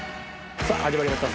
さぁ始まりました